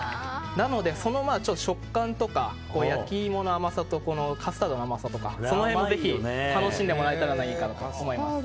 なので、その食感とか焼き芋の甘さとカスタードの甘さとかも楽しんでもらえたらと思います。